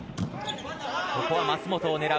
ここは桝本を狙う。